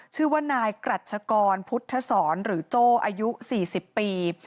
ชื่อว่านายกรัชกรพุทธศรหรือโจ้อายุ๔๐ปี